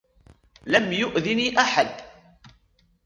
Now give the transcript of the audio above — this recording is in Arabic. لم يأذني أحد.